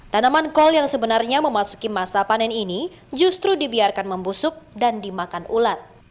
tanaman kol yang sebenarnya memasuki masa panen ini justru dibiarkan membusuk dan dimakan ulat